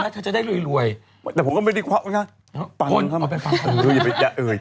เธอจะได้รวยรวยแต่ก๊อฟพิชยาพูดก็๙๒บาท